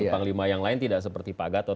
panglima yang lain tidak seperti pak gatot